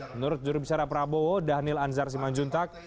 menurut jurubisara prabowo daniel anzar simanjuntak